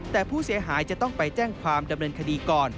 แต่ผู้เสียหายจะต้องไปแจ้งความดำเนินคดีก่อน